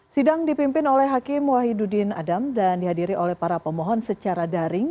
sidang dipimpin oleh hakim wahidudin adam dan dihadiri oleh para pemohon secara daring